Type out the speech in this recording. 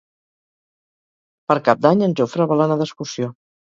Per Cap d'Any en Jofre vol anar d'excursió.